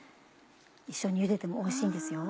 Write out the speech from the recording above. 一緒にゆでてもおいしいんですよ。